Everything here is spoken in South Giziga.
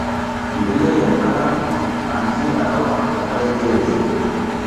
Mbela ya tana, anji a ro aƞ daƞgay zleʼzle.